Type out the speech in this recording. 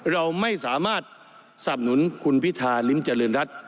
เราไม่สามารถสับหนุนคุณพิธาริมเจริญรัฐ